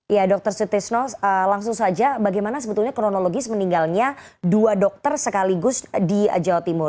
ya dr sutisno langsung saja bagaimana sebetulnya kronologis meninggalnya dua dokter sekaligus di jawa timur